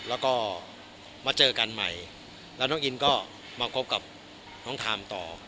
แล้วก็มาเจอกันใหม่แล้วน้องอินก็มาคบกับน้องทามต่อ